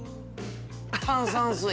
炭酸水。